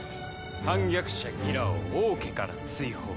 反逆者ギラを王家から追放。